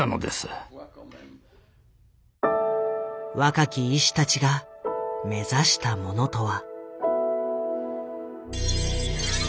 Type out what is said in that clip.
若き医師たちが目指したものとは？